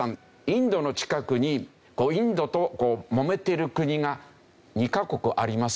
インドの近くにインドともめてる国が２カ国ありますよね。